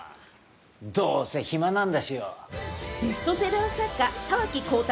どうせ暇なんだしよ。